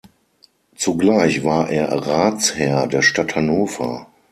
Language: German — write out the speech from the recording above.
Zugleich war er Ratsherr der Stadt Hannover.